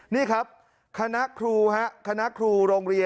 นี่ครับคณะครู